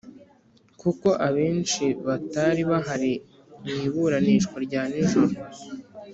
kuko abenshi batari bahari mu iburanishwa rya nijoro,